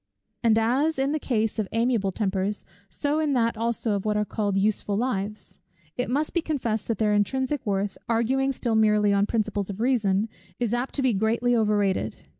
And as in the case of amiable tempers, so in that also of what are called useful lives, it must be confessed that their intrinsic worth, arguing still merely on principles of reason, is apt to be greatly over rated.